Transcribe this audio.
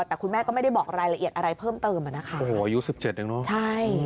แต่คุณแม่ก็ไม่ได้บอกรายละเอียดอะไรเพิ่มเติมอายุ๑๗เนอะ